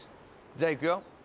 じゃあいくよ。